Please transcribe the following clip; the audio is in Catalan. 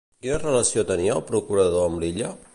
Quina relació tenia el procurador amb l'illa?